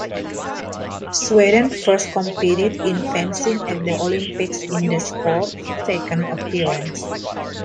Sweden first competed in fencing at the Olympics in the sport's second appearance.